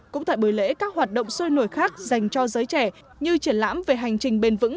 cũng tại buổi lễ các hoạt động sôi nổi khác dành cho giới trẻ như triển lãm về hành trình bền vững